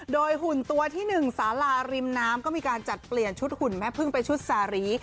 โดยหุ่นตัวที่๑สาราริมน้ำก็มีการจัดเปลี่ยนชุดหุ่นแม่พึ่งไปชุดสารี